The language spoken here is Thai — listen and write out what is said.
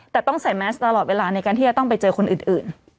แต่ต้องใส่แมสตลอดเวลาในการที่จะต้องไปเจอคนอื่น